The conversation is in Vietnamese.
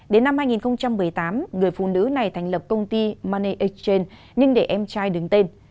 đến năm hai nghìn một mươi tám người phụ nữ này thành lập công ty mane achen nhưng để em trai đứng tên